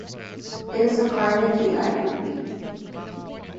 It is a Carnegie Library.